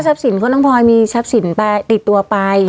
ก็ทรัพย์สินคนลงพลอยมีทรัพย์สินติดตัวไป